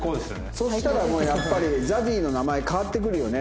そしたらもうやっぱりＺＡＺＹの名前変わってくるよね。